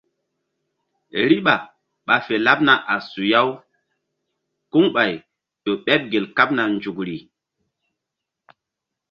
Riɓa ɓa fe laɓna a suya-u kuŋɓay ƴo ɓeɓ gel kaɓna nzukri.